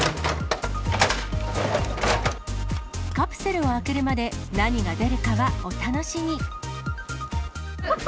カプセルを開けるまで何が出るかはお楽しみ。